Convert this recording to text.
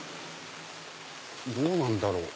どうなんだろう？